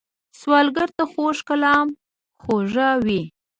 سوالګر ته خوږ کلام خواږه وي